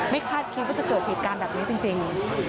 คาดคิดว่าจะเกิดเหตุการณ์แบบนี้จริง